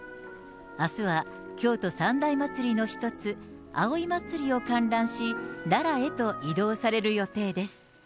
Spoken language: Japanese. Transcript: あすは京都三大祭りの一つ、葵祭を観覧し、奈良へと移動される予定です。